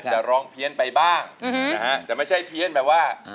จะร้องเพี้ยนไปบ้างนะฮะแต่ไม่ใช่เพี้ยนแบบว่า